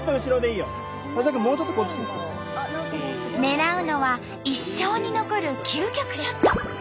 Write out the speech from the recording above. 狙うのは一生に残る究極ショット。